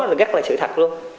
nó rất là sự thật luôn